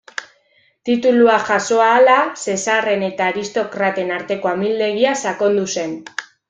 Tituluak jaso ahala, Zesarren eta aristokraten arteko amildegia sakondu zen.